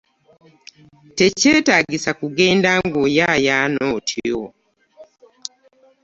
Tekyetaagisa kugenda ng'oyaayaana otyo.